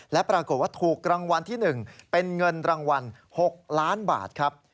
และปรากฏว่าถูกรางวัลที่๑เป็นเงินรางวัล๖ล้านบาทครับ